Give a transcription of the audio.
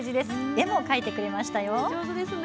絵も描いてくれましたよ。